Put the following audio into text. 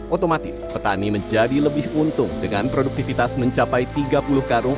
otomatis petani menjadi lebih untung dengan produktivitas mencapai tiga puluh karung